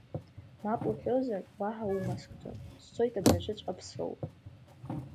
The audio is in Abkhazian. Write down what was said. Мап уҳәозар, уаҳа умаскӡом, сцоит абыржәыҵәҟьа Ԥсоу.